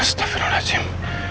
dua setafirun hajim